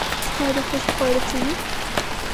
ستا د خوښې خواړه څه دي؟